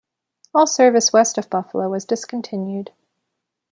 All service west of Buffalo was discontinued.